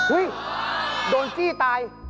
อุ๊ยโดนจี้ตาย